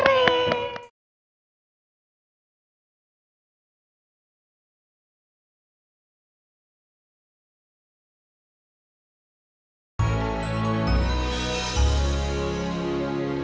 sampai jumpa lagi